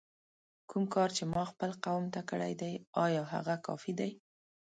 کوم کار چې ما خپل قوم ته کړی دی آیا هغه کافي دی؟!